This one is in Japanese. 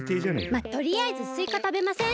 まあとりあえずスイカたべません？